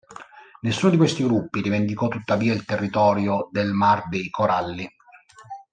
Nessuno di questi gruppi rivendicò tuttavia il territorio del Mar dei Coralli.